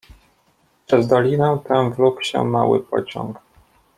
"Przez dolinę tę wlókł się mały pociąg."